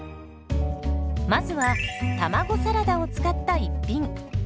まずは卵サラダを使った一品。